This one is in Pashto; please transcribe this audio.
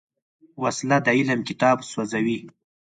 وسله د علم کتاب سوځوي